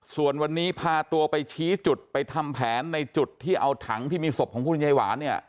ส่วนวันนี้พาตัวไปชี้จุดไปทำแผนในจุดที่เอาถังที่มีศพของคุณยายหวานเนี่ย